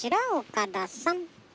岡田さん。